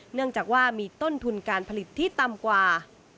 เนื่องจากว่ามีต้นทุนการผลิตที่ต่ำกว่า